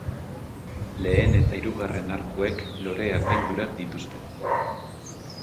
Lehen eta hirugarren arkuek lore apaindurak dituzte.